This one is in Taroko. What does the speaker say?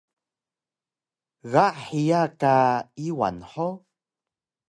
ga hiya ka Iwal hug?